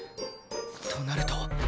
となると